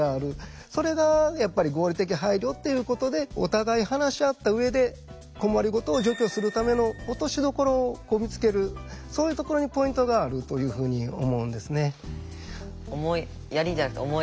それがやっぱり合理的配慮っていうことでお互い話し合った上で困りごとを除去するための落としどころをみつけるそういうところにポイントがあるというふうに思うんですね。